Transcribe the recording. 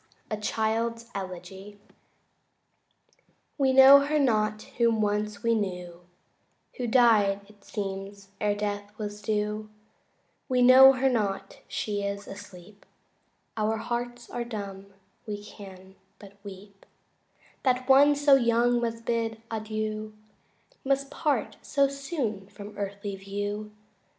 A Child's Elegy We know her not whom once we knew, Who died it seems e'er death was due We know her not; she is asleep; Our hearts are dumb we can but weep That one so young must bid adieu, Must part so soon from earthly view.